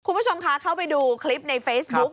คุณผู้ชมคะเข้าไปดูคลิปในเฟซบุ๊ก